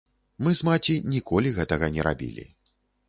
Мы з маці ніколі гэтага не рабілі.